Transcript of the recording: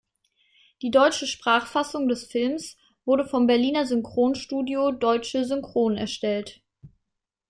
Die deutsche Sprachfassung des Films wurde vom Berliner Synchronstudio Deutsche Synchron erstellt.